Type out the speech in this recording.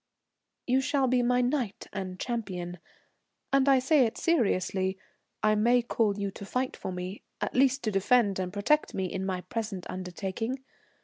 "You shall be my knight and champion, and I say it seriously. I may call you to fight for me, at least to defend and protect me in my present undertaking.